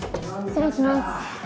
失礼します。